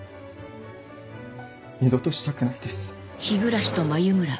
二度としたくないです。